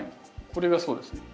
これがそうですね。